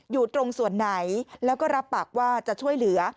อยู่ตรงส่วนไหนแล้วก็รับปากว่าจะช่วยเหลือ